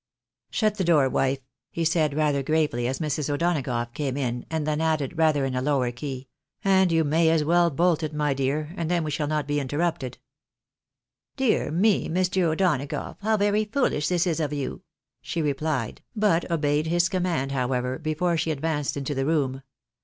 " Shut the door, wife," he said, rather gravely, as Mrs. O'Dona gough came in, and then added, rather in a lower key, "and you may as well bolt it, my dear, and then we shall not be interrupted." " Dear me, Mr. O'Donagough, how very foolish this is of you! " she replied, but obeyed his command however before she advanced into the room.